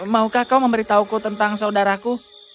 maukah kau memberitahuku tentang saudaraku